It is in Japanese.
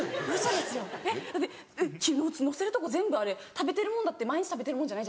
だって載せるとこ全部あれ食べてるもんだって毎日食べてるもんじゃない。